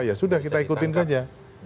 ya sudah kita ikutin saja